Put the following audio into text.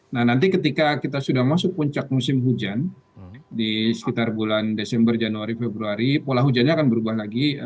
nah nanti ketika kita sudah masuk puncak musim hujan di sekitar bulan desember januari februari pola hujannya akan berubah lagi